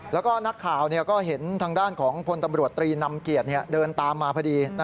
แล้วก็นักข่าวก็เห็นทางด้านของพลตำรวจตรีนำเกียจเดินตามมาพอดี